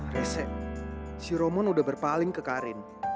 rese si roman udah berpaling ke karin